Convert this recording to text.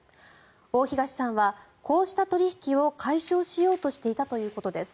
大東さんはこうした取引を解消しようとしていたということです。